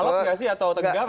ahok nggak sih atau tegang